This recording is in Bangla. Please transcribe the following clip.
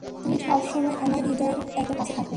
তুমি সবসময় আমার হৃদয়ের এতো কাছে থাকবে।